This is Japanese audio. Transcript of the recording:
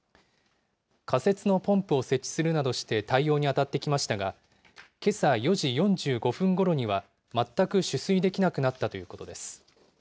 仮設のポンプを設置するなどして対応に当たってきましたが、けさ４時４５分ごろには、全く取水できなくなったということです。